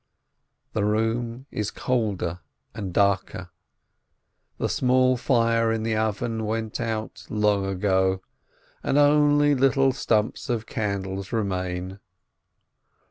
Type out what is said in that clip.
The room is colder and darker, the small fire in the oven went out long ago, and only little stumps of candles remain.